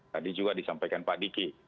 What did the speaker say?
tadi juga disampaikan pak diki